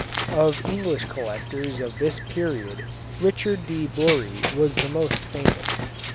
Of English collectors of this period Richard de Bury was the most famous.